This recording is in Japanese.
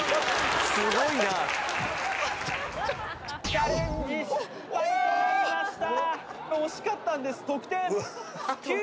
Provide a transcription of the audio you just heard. チャレンジ失敗となりました